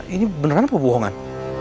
ini beneran apa bohongan